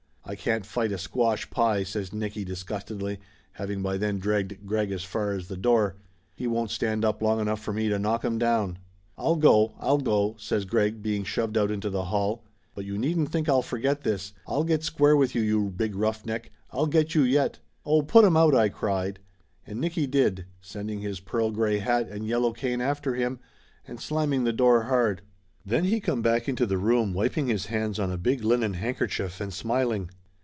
"I can't fight a squash pie !" says Nicky disgustedly, having by then dragged Greg as far as the door. "He won't stand up long enough for me to knock him down!" "I'll go ! I'll go !" says Greg, being shoved out into the hall. "But you needn't think I'll forget this, I'll get square with you, you big roughneck ! I'll get you yet!" "Oh, put him out!" I cried. And 'Nicky did, sending his pearl gray hat and yellow cane after him and slamming the door hard. Then he come back into the room wiping his hands on a big linen handkerchief and smiling.